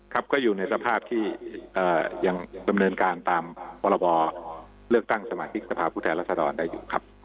ครับก็อยู่ในสภาพที่ยังดำเนินการตามพรบเลือกตั้งสมาชิกสภาพผู้แทนรัศดรได้อยู่ครับ